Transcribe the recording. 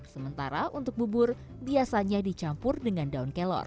sementara untuk bubur biasanya dicampur dengan daun kelor